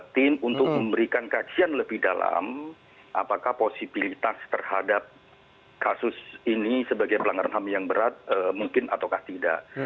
tim untuk memberikan kajian lebih dalam apakah posibilitas terhadap kasus ini sebagai pelanggaran ham yang berat mungkin atau tidak